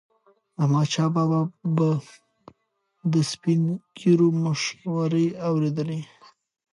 احمدشاه بابا به د سپین ږیرو مشورې اورېدلي.